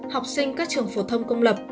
học sinh các trường phổ thông công lập